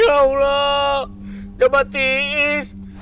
ya allah jangan mati is